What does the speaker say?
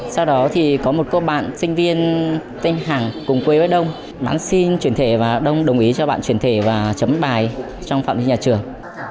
sau đó thì có một cô bạn sinh viên tên hàng cùng quê với đông bán xin chuyển thể và đông đồng ý cho bạn chuyển thể và chấm bài trong phạm vi nhà trường